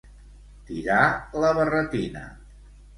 Tirar la barretina.